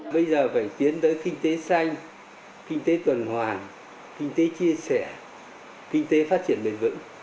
bây giờ phải tiến tới kinh tế xanh kinh tế tuần hoàn kinh tế chia sẻ kinh tế phát triển bền vững